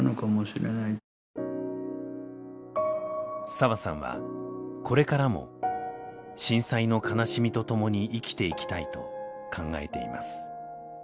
澤さんはこれからも震災の悲しみと共に生きていきたいと考えています。